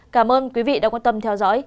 cảm ơn quý vị đã quan tâm theo dõi